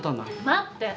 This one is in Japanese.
待って！